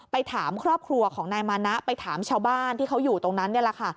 ไปถามครอบครัวของนายมานะไปถามชาวบ้านที่เขาอยู่ตรงนั้น